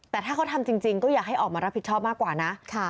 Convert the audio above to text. แต่ถ้าเขาทำจริงก็อยากให้ออกมารับผิดชอบมากกว่านะ